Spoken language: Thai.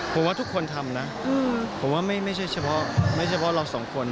ผมว่าทุกคนทำนะผมว่าไม่ใช่เฉพาะเราสองคน